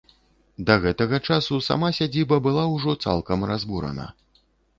Да гэтага часу сама сядзіба была ўжо цалкам разбурана.